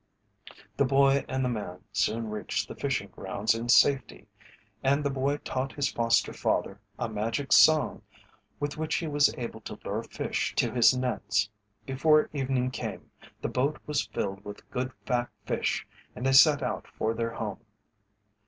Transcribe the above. The boy and the man soon reached the fishing grounds in safety. And the boy taught his foster father a magic song with which he was able to lure fish to his nets. Before evening came the boat was filled with good fat fish and they set out for their home.